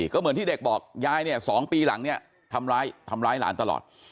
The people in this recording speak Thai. ก็เหมือนที่เด็กบอกยายเนี่ย๒ปีหลังเนี่ยทำร้ายทำร้ายหลานตลอด